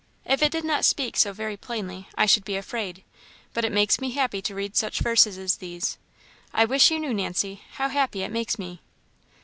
If it did not speak so very plainly, I should be afraid, but it makes me happy to read such verses as these. I wish you knew, Nancy, how happy it makes me."